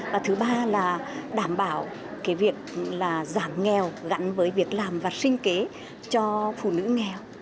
và thứ ba là đảm bảo cái việc là giảm nghèo gắn với việc làm và sinh kế cho phụ nữ nghèo